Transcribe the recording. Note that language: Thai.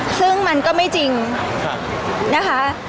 ซึ่งมันก็ไม่จริงนะคะ